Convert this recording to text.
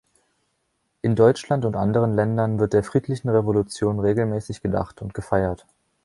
In Deutschland und anderen Ländern wird der friedlichen Revolution regelmäßig gedacht und gefeiert.